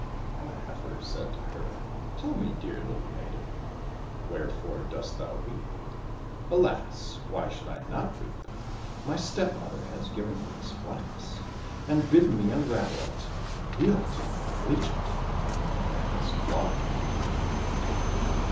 And the heifer said to her, *' Tell me, dear little maiden, wherefore dost thou weep }"—" Alas ! why should I not weep ? My stepmother has given me this flax and bidden me unravel it, and reel it, and bleach it, and bring it back as cloth in the evening."